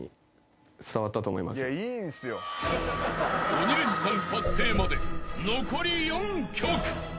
［鬼レンチャン達成まで残り４曲］